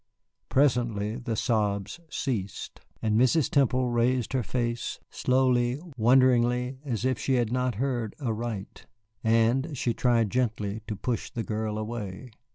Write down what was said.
Presently the sobs ceased, and Mrs. Temple raised her face, slowly, wonderingly, as if she had not heard aright. And she tried gently to push the girl away.